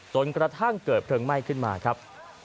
จนกระทั่งเกิดเพลิงไหม้ขึ้นมาครับ